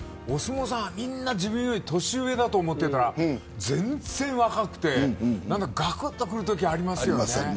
みんな自分より年上だと思っていたら全然若くてがくっとくるときがありますよね。